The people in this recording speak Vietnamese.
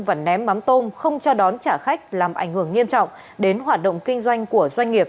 và ném mắm tôm không cho đón trả khách làm ảnh hưởng nghiêm trọng đến hoạt động kinh doanh của doanh nghiệp